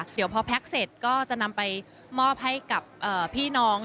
เดี๋ยวพอแพ็คเสร็จก็จะนำไปมอบให้กับพี่น้อง